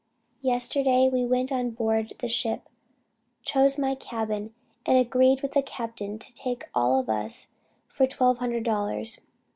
"Yesterday we went on board the ship, chose my cabin, and agreed with the captain to take us all for twelve hundred dollars.